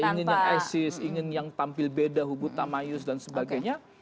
ingin yang isis ingin yang tampil beda hubu tamayus dan sebagainya